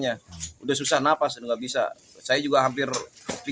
evakuasi kemana pak